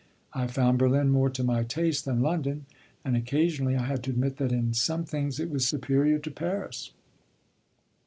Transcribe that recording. I found Berlin more to my taste than London, and occasionally I had to admit that in some things it was superior to Paris.